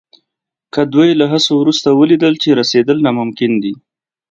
که دوی له هڅو وروسته ولیدل چې رسېدل ناممکن دي.